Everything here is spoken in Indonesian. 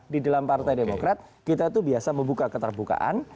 di dalam partai demokrat kita itu biasa membuka keterbukaan